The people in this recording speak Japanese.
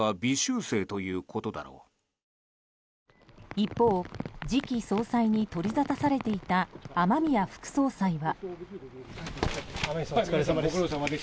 一方、次期総裁に取りざたされていた雨宮副総裁は。